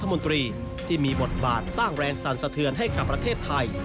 มนตรีที่มีบทบาทสร้างแรงสันสะเทือนให้กับประเทศไทย